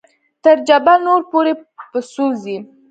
تر جبل نور پورې په څو ځې.